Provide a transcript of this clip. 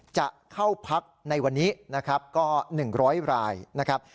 จะเข้าพักในวันนี้นะครับก็หนึ่งร้อยรายนะครับ